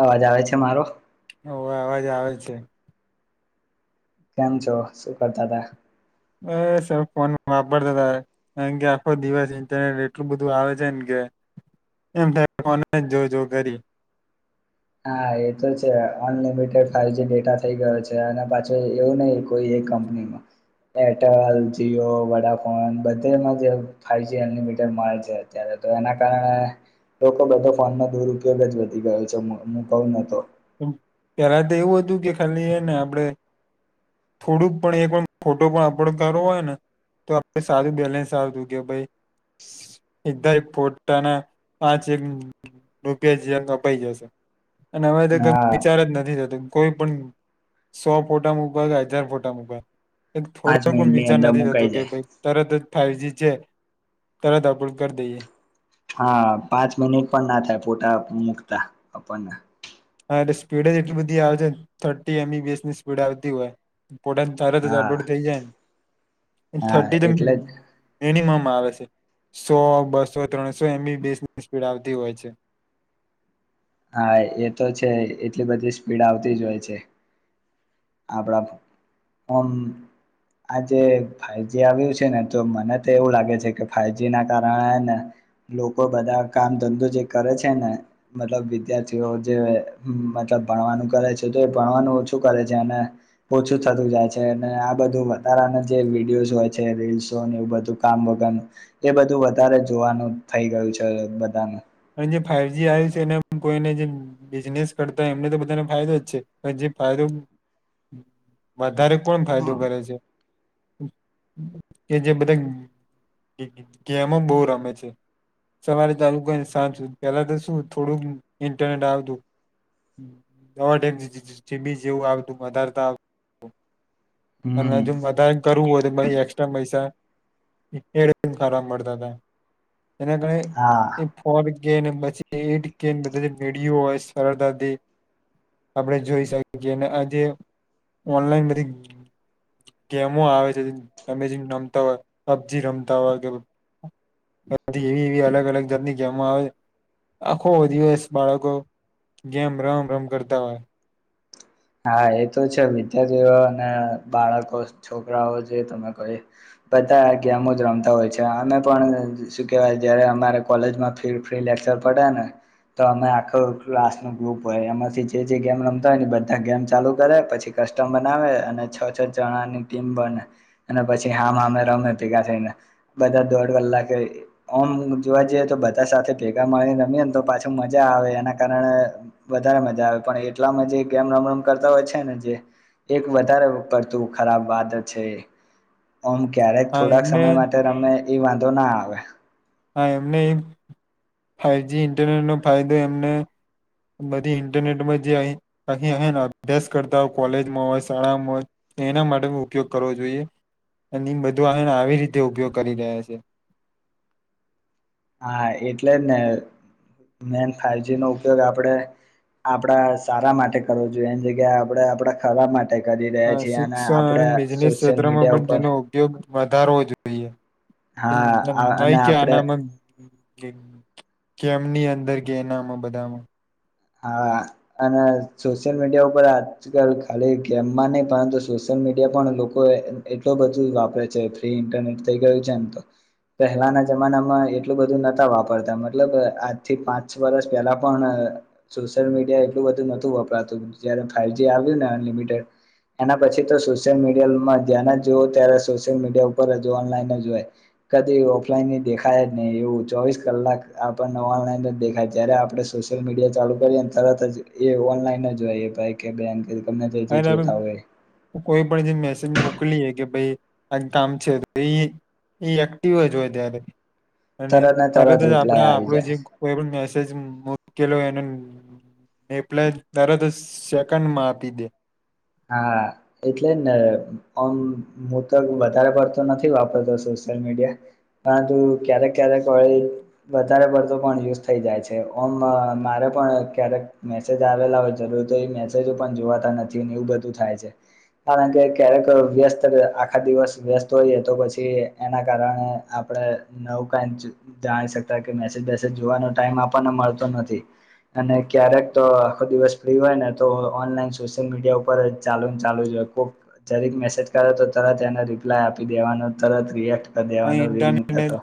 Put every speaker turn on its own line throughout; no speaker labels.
અવાજ આવે છે મારો
હોવે અવાજ આવે છે
કેમ છો શું કરતા હતા
અ સર ફોન વાપરતા હતા કાર કે આખો દિવસ ઇન્ટરનેટ એટલું બધું આવે છે ને કે એમ થ ફોન જોજ કરી
હા એ તો છે અનલિમિટેડ ફાઈવજી ડેટા થઈ ગયો છે અને પાછું એવું નહી કોઈ એક કંપનીમાં એરટેલ જીઓ વડાફોન બધેમાં જ ફાવજી અનલિમિટેડ મળે છે અત્યારે તો એના કારણે લોકો બધો ફોનનો દુરપયોગ જ વધી ગયો છે [unintelligible]
પેલા તો એવું હતું કે ખાલી ને આપડે થોડુંક પણ એ પણ ફોટો પણ અપલોડ કરવો હોય ને તો આપણે સારું બેલેન્સ આવતું કે ભાઈ સીધા ફોટાના પાંચ એક રૂપિયા જે કપાઈ જશે
હા
વિચાર જ નથી થતું કોઈ પણ સો ફોટા મુકવા કે હજાર ફોટા મુકવા
પાંચ
થોડો
મિનિટની
વિચાર
અંદર
નથી થતો
મુકાઈ
કે
જાય
ભઈ તરત જ ફાઈવજી છે તરત અપલોડ કરી દઈએ
હા પાંચ મિનિટ પણ ના થાય પોટા મુકતા આપણને
એ સ્પીડ જ એટલી બધી આવે છે થર્ટી એમસની સ્પીડ આવતી હોય
હા
[unintelligible]
હા
થર્ટી તો
એટલે જ
મિનિમમ મા આવે છે સો બસો ત્રણસો એમ બી બી એસ ની સ્પીડ આવતી હોય છે
હા એ તો છે એટલી બધી સ્પીડ આવતી જ હોય છે આપણામ આજે ફાઈવજી આવ્યું છે ને તો મને તો એવું લાગે છે કે ફાઈવજી ના કારણેને લોકો બધા કામ ધંધો જે કરે છે ને મતલબ વિધ્યાર્થીઓ જે મતલબ ભણવાનું કરે છે તો એ ભણવાનું ઓછું કરે છે જેને ઓછું થતું જાય છે અને આ બધું વધારાને જે વિડીયોઝ હોય છે રીલ્સો બધું કામ વગરનું એ બધું વધારે જોવાનું થઈ ગયું છે બધાનું
અને જે ફાઈવજી આવ્યું છે એ કોઈને જે બિઝનેસ કરતા હો એમને તો બધાને ફાયદો જ છે પણ જે ફાયદો વધારે કોન ફાયદો કરે છે કે જે બધા ગેમો બહુ રમે છે સવારે ચાલુ કરી પેલા તો શું થોડુંક ઇન્ટરનેટ આવતું ફોઉર જીબી જેવું આવતું વધારતા આવ અને
હમ
જો વધારે કરવું હોય તો પછી એસ્ટ્રા પૈસા એક [unintelligible] સારા મળતા તા જેનાક ની
હા
એ ગેને પછી બધ વિડીયો હોય સરતાથી આપડે જોઈ શકીએ આ જે ઓનલાઈન બધી ગેમો આવે છેમે રમતા હોય પબજી રમતા હોયી એવી એવી અલગ અલગ જાતની જેમ આવે આખો દિવસ બાળકો ગેમ રમ રમ કરતા હોય
હા એ તો છે વિદ્યાર્થીઓ અને બાળકો છોકરાઓ જે તમે કહો બધા ગેમો જ રમતા હોય છે અમે પણ શું કેવાય જયારે અમારે કોલેજમાં ફી ફ્રી લેક્ચર પડે ને તો અમે આખું ક્લાસ નું ગ્રુપ હોય એમાંથી જે ગેમ રમતા હોય ને ગેમ ચાલુ કરે પછી કસ્ટમ બનાવે અને છ છ જણાની ટીમ બને અને પછી હામ હામે રમે ભેગા થઈને બધા દોઢ કલાકે ઓમ જોવા જઈએ તો બધા સાથે ભેગા મળીને રમીએ ને તો પાછું મજા આવે એના કારણે વધારે મજા આવે પણ એટલા મા છે કે મમમ કરતા હોય છે ને જે એક વધારે પડતું ખરાબ વાત છે. ઓમ ક્યારેક
હા
થોડાક
એમને
સમય માટે રમે એ વાંધો ના આવે.
હા એમને ફાઈજી ઇન્ટરનેટનો ફાયદો એમને બધી ઇન્ટરનેટમાં જે અહી અહીંન અભ્યાસ કરતા હોય કોલેજમાં હોય શાળામાં હોય એના માટે ઉપયોગ કરવો જોઈએ અની બધું આન આવી રીતે ઉપયોગ કરી રહ્યા છે.
હા એટલે જ ને મેન ફાઈજી નો ઉપયોગ આપડે આપડા સારા માટે કરો જોઈએ એની જગ્યા આપે આપડા ખરાબ મા
અ શિક્ષણ અને બિઝનેસ
સોશિયલ
ક્ષેત્રમાં
મીડિયા
પણ
ઉપર
તેનો ઉપયોગ વધારવો જો
હા અને આપડે
કેમની અંદર કેનામ બધામાં
હા અને સોશિયલ મીડિયા ઉપર આજકાલ ખાલી ગેમમાં ને પરંતુ સોશિયલ મીડિયા પણ લોકો એટલું બધું વાપરે છે ફ્રી ઇન્ટરનેટ થઇ ગયું છે ને તો પેહેલાના જમાનામાં એટલું બધું નહતા વાપરતા મતલબ આજથી પાંચ વર્ષ પહેલા પણ સોશયલ મીડિયા એટલું બધું નતું વપરાતું જ્યારે ફાઈવજી આવ્યું ને અનલિમિટેડ એના પછી તો સોશિયલ મીડિયામાં જ્યા જોઓ ત્યારે સોશિયલ મીડિયા ઉપર ઓનલાઈન જો હોય કદી ઓફલાઈન દેખાય નહી એવું ચોવીસ કલાક આપણને ઓનલાઈન જ દેખાય જ્યારે આપડે સોશિયલ મીડિયા ચાલુ કરીએને તરત જ એ ઓનલાઈન જ હોય ભાઈ કે [unintelligible] જે જોતા હોય
કોઈ પણ જે મેસેજ મોક મોલીએ કે ભાઈ આનું કામ છે એક્ટિવ જ હોય ત્યારે અને
ને
તરત જ આપડે
રિપ્લાય આવી
આપડો
જાય
જે કોઈ પણ મેસેજ મુકેલો એને એપ્લાય તરત સેકન્ડમાં આપી દે.
હા એટલે ને ઓમ હું તો વધારે પડતો નથી વાપરતો સોશિયલ મીડિયા પરંતુ ક્યારેક ક્યારેક વધારે પડતો પણ યુઝ થઈ જાય છે ઓમ મારે પણ ક્યારેક મેસેજ આવેલા હોય જરૂર તો એ મેસેજો પણ જોવાતા નથી. એવુ બધું થાય છે કારણ કે ક્યારેક વ્યસ્ત આખા દિવસ વ્યસ્ત હોઈએ તો પછી એના કારણે આપડે નવું કઈ જાણી શકતા કે મેજજ જોવાનો ટાઈમ આપણને મળતો નથી અને ક્યારેક તો આખો દિવસ ફ્રી હોય ને તો ઓનલાઈન સોશિયલ મીડિયા ઉપર ચાલુ ચાલુ જો કોક જરીક મેસેજ કરે તો તરત એને રિપ્લાય આપી દેવાનો તરત રિએક્ટ કરી દેવાનો
અહી
રીલ
ઇન્ટરનેટ
મૂકેતો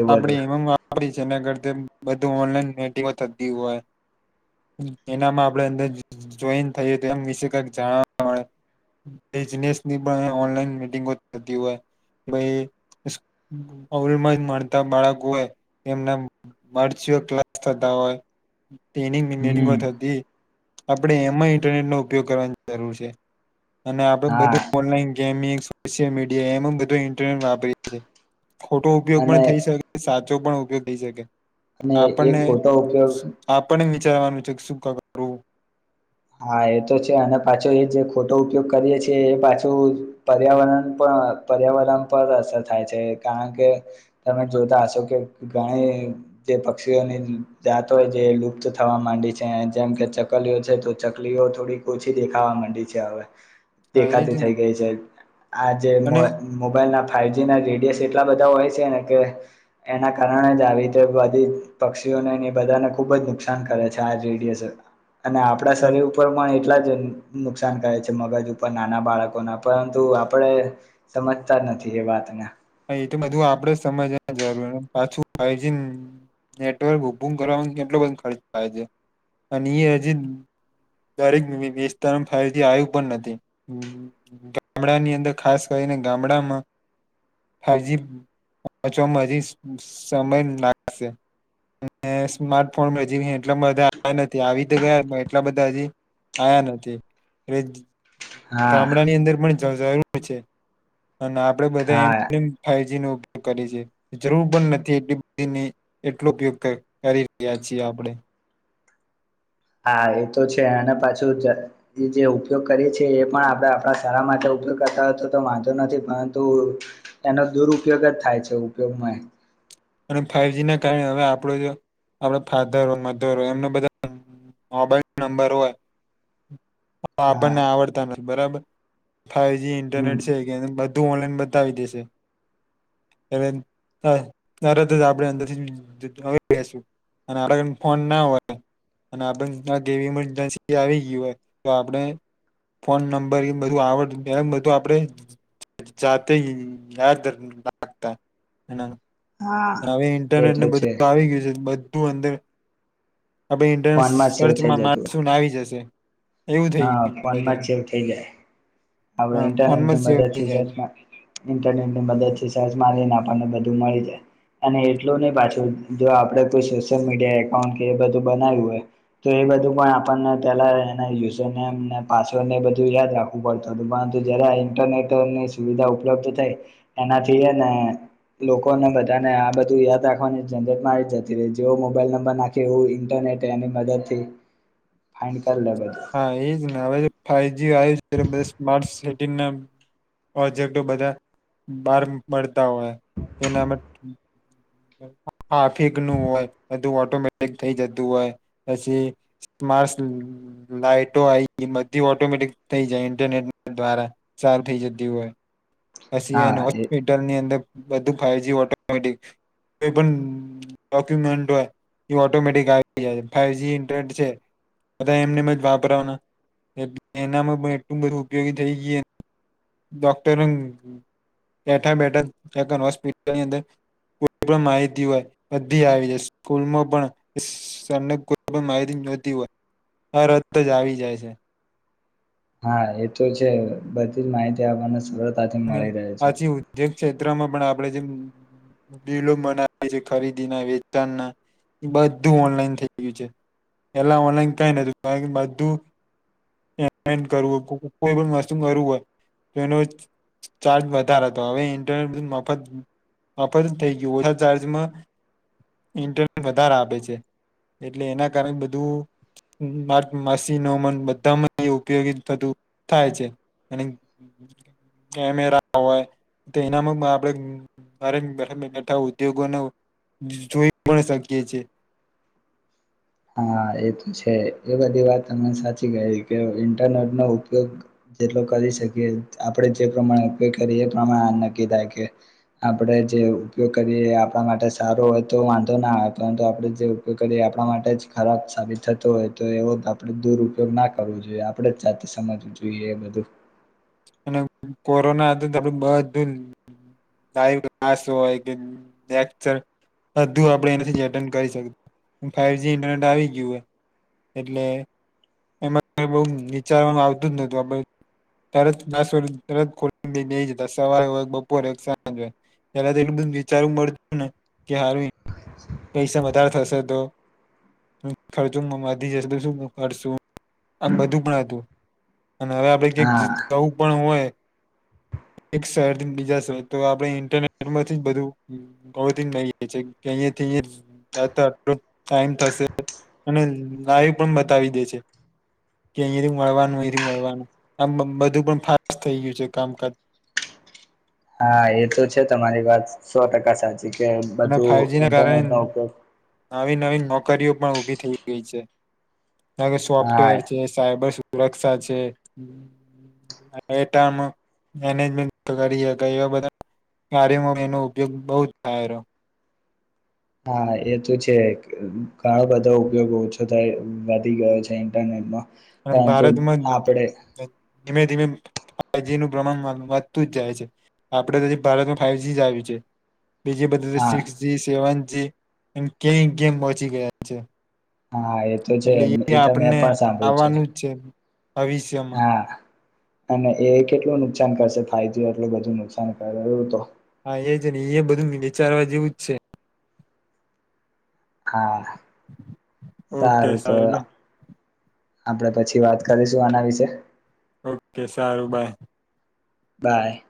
એ
આપડે
બધું
એમ વાપરી છે એના કરત બધું ઓનલાઈન મીટિંગો થતી હોય એનામાં મા આપડે અંદર જોઈન થઈએ તો એમ વિશે કઈક જાણવા મળે બિઝનેસની પણ ઓનલાઈન મીટિંગો થતી હોય ભઈ અવમાં મળતા બાળકો એમના વર્ચ્યુઅ ક્લાસ થતા હોય. ટ્રેનિંગિ મિનેટમાં
હમ
થતી. આપડે એમાં ઈન્ટરનેટનો ઉપયોગ કરવાની જરૂર છે. અને આપડે
હા
બધું ઓનલાઈન ગેમિંગ સોશ્યલ મીડિયા એમ બધું ઇન્ટરનેટ વાપરી છે. ખોટો ઉપયોગ પણ
અને
થઈ શકે સા ચો પણ ઉપયોગ થઈ શકે.
અને એક ખોટો ઉપયોગ
ચારન વિ એક સુકા કરો.
હા એ તો છે અને પાછો એ જે ખોટો ઉપયોગ કરીએ છે એ પાછું પર્યાવરણ પર પર્યાવરણ પર અસર થાય છે કારણ કે તમે જોતા હશો કે ઘણી જે પક્ષીઓની જાત હોય જે લુપ્ત થવા માંડી છે જેમ કે ચકલીઓ છે. ચકલીઓ થોડી ઓછી દેખાવા માંડી છે હવે.
હા એજ
દેખાતી
ને
થઈ ગઈ છે આ જે
અને
મોબાઈલ ના ફાઈવજી ના રેડયો સટ ટલા બધા હોય છે ને કે એના કારણે જ આવી રીતે બધી પક્ષીઓને બધાને ખુબ જ નુકસાન કરે છે આ રેડયો સ અને પડા શરીર પરમા એટલા જ નુકસાન કરે છે મગજ ઉપર નાના બાળકોના પરંતુ આપડે સમજતા નથી એ વાતને.
એ તો બધું આપડે સમજવા જરૂર પાછું ફાવજી નેટવર્ક કરવા કેટલો બધુ ખર્ચ થાય છે અને એ હજી દરેક વિસ્તાર ફાવજી આયું પણ નથી ગામડાની અંદર ખાસ કરીને ગામડામાં ફાઈજી [unintelligible] સમય લાગશે સ્માર્ટફોન હજી એટલા બધા નથી આવી તો ગયા એટલા બધા હજી આયા નથી એ
હા
ગામડા ની અંદર પણ [unintelligible] છે અને આપડે બધા
હા
એમ ફાઈજી નો ઉપયોગ કરી છે જરૂર પણ નથી એટલી બધી એટલો ઉપયોગ કરી રહ્યા છીએ આપણે
હા એ તો છે અને પાછું એ જે ઉપયોગ કરીએ છીએ એ પણ આપણે આપણા સારા માટે ઉપયોગ કરતા હોય તો તો વાંધો નથી પરંતુ એનો દુરયોગ જ થાય છે ઉપયોગમાં
અને ફાઈવજી ના કારણે હવે આપણો જો આપ ફાધર હોય મધર હોય એમના બધા મોબાઈલ નંબર હોય હ
હા
આપણને આવડતા નથી બરાબર ફાઇવ જી
હમ
ઇન્ટરનેટ છે કે એને બધું ધું મળી ને બતાવી દેશે એલે હ તરત જ આપણે અંદર થી બેસું અને આપ ફોન ના હોય અને આપવી મરજન્સી આવી ગય હોય તો આપણે ફોન નંબર બધું આવડ બધું આપણે જાતે યાદ રાખતા
હા
હવે
એ
ઇન્ટરનેટ
તો
ને
છે
બધું આવી ગયું છે તો બ બો અંદર આપણે ઇતેરન્ટ
ફોનમાં સેવ થઈ
સર્ચમાં
જતું
મારસુ આવી જશે એવું થઈ
હા
ગયું છે
ફોનમા જ
બધાને
સેવ થઈ જાય આપડ
હા
ઈન્ટરનેટ
ફોનમાં
ની મદદ
સેવ થઈ
થી
જાય છે
સચ ઇન્ટરનેટ ની મદદ થી સર્ચમાં મારીયે આપણને બધું એવું મળી જાય અને એટલું નહી પાછું જો આપે કોઈ સોશિયલ મીડિયા એકાઉન્ટ કે એ બધું બનાવ્યું હોય તો એ બધું પણ આપણને પેલા એ ના યુઝ નેમને પાસવર્ડ ને બધું યાદ રાખવું પડતું હતું પરંતુ જયાર આ ઈન્ટરનેટની સુવિધા ઉપલબ્ધ થઈ એનાથીને લોકોને બધાને આ બધું યાદ રાખવાની ઝંઝટમારી જતી રહી જેવો મોબાઈલ નંબર નાખે એવું ઇન્ટરનેટે એની મદદ થી ફાઈ કર લે બધું
હા એજ હવે [unintelligible] હ આયુ [unintelligible] સ્માર્ટ સિટી ટીમ ના પ્રજેક્ટ બધા બાર મળતા હોય તેના હાફિક નું હોય બધું ઓટોમેટિક થઈ જતું હોય પછી મા લાઈટો આવી બધી ઓટોમેટિક થઈ જાય ઇન્ટરનેટ દ્વારા સાર થઈ જતી હોય પછી
હા
એને
એ
હોસ્પિટલ ની અંદર બધું ફાઈવ જી ઓટોમેટિક કોઈ પણ ડોક્યુમેન્ટ હોય એ ઓટોમેટિક આવી જાય ફાઈવ જી ઇન્ટરનેટ છે બધા એમને વાપરવાના એનામાં પણ એટલું બધું ઉપયોગી થઈ ગઈ ડૉક્ટર ને બેઠા બેઠા હોસ્પિટલની અંદર કોઈ પણ માહિતી હોય બધી આવી જાય સ્કૂલમાં પણ સર ને કોઈ પણ માહિતી જોયતી હોય આ તરત જ આવી જાય છે
હા એ તો છે બધી જ માહિતી આપને શુ
અને પાછી ઉદ્યોગ છે માં પણ આપણે બિલલો બનાવી છે ખરીદીના વેચાણ ના એ બધું ઓનલાઈન થઈ ગયું છે પેલા ઓનલાઈન કઈ નોતું બધું પેમેન્ટ કરવું કોઈ પણ વસ્તુ કરવું હોય તો એનું જ ચાર્જ વધારા હતો હવે ઇન્ટરનેટ મફત મફત થઈ ગયું ઓછા ચાર્જમાં ઇન્ટરનેટ વધાર આપે છે એટલે એના કારણે બધું મશીનો બધામાં ઉપયોગી થતું થાય છે અને કેમેરા હોય તો એનામાં આપણે ઘરે બેઠા ઉદ્યોગોને જોઈ પણ શકીએ છીએ
હા એ તો છે એ બધી વાત તમને સાચી કહી કે ઇન્ટરનેટનો ઉપયોગ જેટલો કરી શકીએ આપણે જે પ્રમાણે ઉપયોગ કરીએ એ પ્રમાણે આ નક્કી થાય કે આપણે જે ઉપયોગ કરીએ આપણા માટે સારો હોય તો વાંધો ના આવે પરંતુ આપણે જે ઉપયોગ કરીએ આપણા માટે જ ખરાબ સાબિત થતો હોય તો એવો આપણે દુરુપયોગ ના કરવો જોઈએ. આપણે જ જાતે સમજવું જોઈએ એ બધું
કોરોના આપ બધું લાઈવ ક્લાસ હોય કે લેચર બધું આપ એના કરી ફવ જી ઇન્ટરનેટ આવી ગયું હોય એટલે એમાં બ વિચારનું આવતું જ નતું. તરત દસ વ ખ બે જતા સવારે બપોરે સાંજ ત એટું બધું વિચારવું મળતું ને કે હાર પૈસા વધારે થશે તો, ખર્ચો વધી જશે તો શું કરશું આમ બધું પણ હતું અને હવે આપડ ક્યાક
હા
જવું પણ હોય એક શહેરથી બીજા શહેર તો આપણે ઇન્ટરનેટમાંથી બધું હી કે અહી ટ ટાઈમ થશે અને લાઈવ પણ બતાવી દે છે કે અહીંથી મળવાનું અહીથી મળવાનું આ બધું પણ ફાસ્ટ થઈ ગયું છે. કામકાજ
હા એ તો છે તમારી વાત સો ટકા સાચી. કે
અને
બધું
ફાઈવજી ના કારણે
ઇન્ટરનેટ નો ઉપયોગ.
નવી નવી નોકરીઓ પણ ઊભી થઈ ગઈ છે. હ
હા
સોફ્ટવેર છે. સાયબર સુરક્ષા છે મેજમેન્ટ કરી એવા બધા ગ એનો ઉપયોગ બ જ થાય.
હા એ તો છે ઘણો બધા ઉપયોગ ઓછો થાય વધી ગયો છે, ઇન્ટરનેટમાં
અને ભારતમાં ધીમે ધીમે ફાવ જી નું પ્રમાણ વધતું જ જાય છે આપડેજી ભારતમાં ફાઈવ જી જ આવ છે. બીજી બધલ
હા
સિક્સ જી, સેવન જી એમ કેમ ગેમ પહોંચી ગયા છે.
હા એ તો છે. તમે પણ સાંભળ્યું છે.
નું છે. ભવિષ્યમાં
હા અને એ કેટલું નુકસાન કરશે ફાઈવ જી થયું એટલું બધું નુકસાન કર એવું તો
હા, એજને એ બધું વિચારવા જેવું જ છે.
હા,
ઓકે
સારું તો
લો.
આપડે પછી વાત કરીશું આના વિશે
ઓકે સારું બાય
બાય